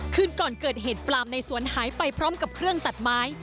คืนก่อนเกิดเหตุปลามในสวนหายไปพร้อมกับเครื่องตัดไม้